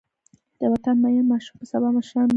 د وطن مین ماشومان به سبا مشران وي.